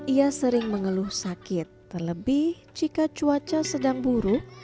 ia sering mengeluh sakit terlebih jika cuaca sedang buruk